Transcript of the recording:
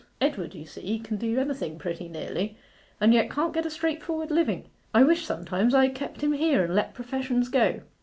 Edward, you see, can do anything pretty nearly, and yet can't get a straightforward living. I wish sometimes I had kept him here, and let professions go.